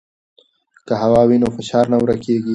که هوا وي نو فشار نه ورکېږي.